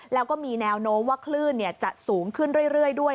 แล้วก็มีแนวโน้มว่าคลื่นจะสูงขึ้นเรื่อยด้วย